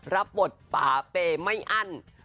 รับบทป่าเปย์ไม่อั้น